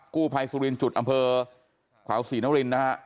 กู้ภัยสุรินทร์จุดอำเภอขวาสี่น้ำรินนะครับ